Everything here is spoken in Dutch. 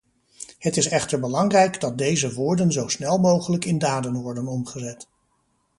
Het is echter belangrijk dat deze woorden zo snel mogelijk in daden worden omgezet.